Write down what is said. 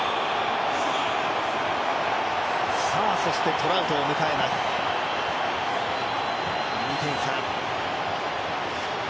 トラウトを迎えます、２点差。